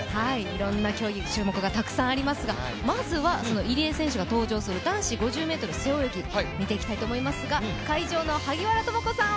いろんな競技、種目がたくさんありますが、まずは入江選手が登場する男子５０ｍ背泳ぎ、見ていきたいと思いますが、会場の萩原智子さん